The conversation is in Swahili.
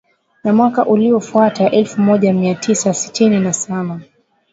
Na mwaka uliofuata elfu moja mia tisa sitini na sana